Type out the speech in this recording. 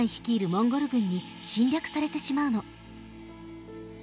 モンゴル軍に侵略されてしまうの。